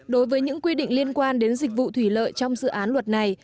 đối với những quy định liên quan đến dịch vụ thủy lợi trong dự án luật này